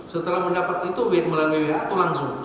setelah mendapat itu mulai wwa atau langsung